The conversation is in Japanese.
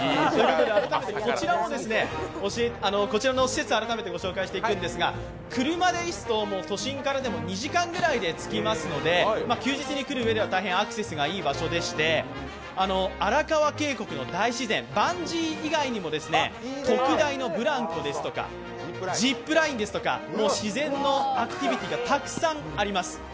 改めてこちらの施設をご紹介していくんですが、車ですと都心から２時間ぐらいで着きますので休日に来るうえでは大変アクセスがいい場所でして、荒川渓谷の大自然バンジー以外にも特大のブランコですとかジップラインですとかもう自然のアクティビティーがたくさんあります。